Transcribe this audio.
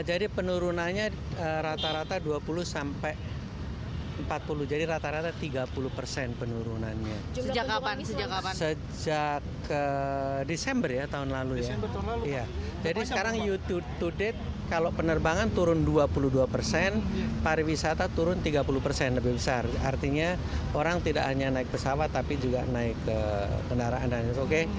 artinya orang tidak hanya naik pesawat tapi juga naik kendaraan lainnya